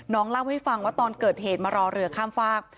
เล่าให้ฟังว่าตอนเกิดเหตุมารอเรือข้ามฟาก